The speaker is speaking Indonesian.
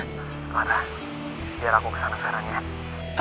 kemana biar aku kesana sekarang ya